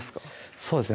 そうですね